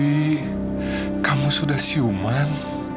juli kamu sudah siuman